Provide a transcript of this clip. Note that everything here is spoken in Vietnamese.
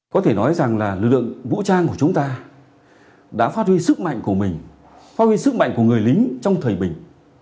có thể nói rằng là lực lượng vũ trang của chúng ta đã phát huy sức mạnh của mình phát huy sức mạnh của người lính trong thời bình